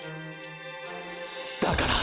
だから！！